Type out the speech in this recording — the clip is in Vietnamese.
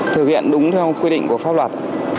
thực hiện đúng theo quy định của pháp luật